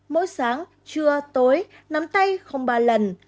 mỗi sáng trưa tối nắm tay ba lần